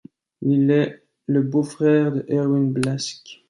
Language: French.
Il est le beau-frère de Erwin Blask.